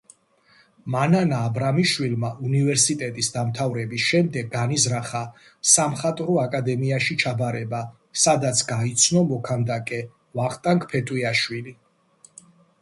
მანანა აბრამიშვილმა უნივერსიტეტის დამთავრების შემდეგ განიზრახა სამხატვრო აკადემიაში ჩაბარება, სადაც გაიცნო მოქანდაკე ვახტანგ ფეტვიაშვილი.